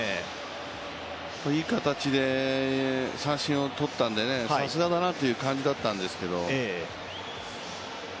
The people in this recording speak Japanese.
いい形で三振を取ったんでさすがだなという感じだったんですけど。